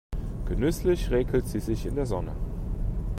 Genüsslich räkelt sie sich in der Sonne.